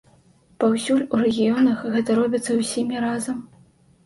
Паўсюль у рэгіёнах гэта робіцца ўсімі разам.